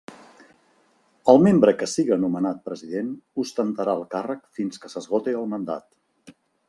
El membre que siga nomenat president ostentarà el càrrec fins que s'esgote el mandat.